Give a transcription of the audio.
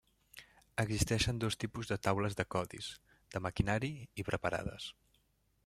Existeixen dos tipus de taules de codis: de maquinari i preparades.